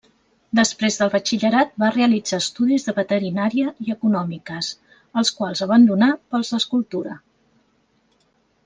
Després del batxillerat va realitzar estudis de veterinària i econòmiques, els quals abandonà pels d'escultura.